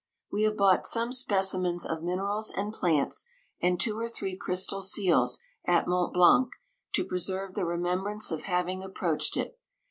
We have bought some specimens of minerals and plants, and two or three crystal seals, at Mont Blanc, to pre serve the remembrance of having ap proached it.